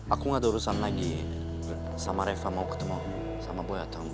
aku gak ada urusan lagi sama reva mau ketemu sama boy atau